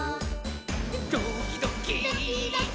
「ドキドキ」ドキドキ。